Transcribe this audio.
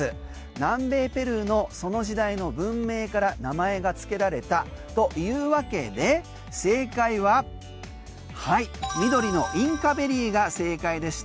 南米ペルーのその時代の文明から名前が付けられたというわけで正解は緑のインカベリーが正解でした。